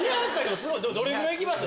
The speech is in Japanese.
どれぐらい行きました？